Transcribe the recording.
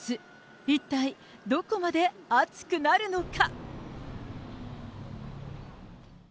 一体どこまで暑くなるのか。